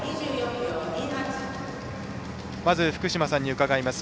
まず、福島さんに伺います。